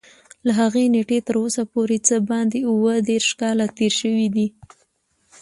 له هغې نېټې تر اوسه پورې څه باندې اووه دېرش کاله تېر شوي دي.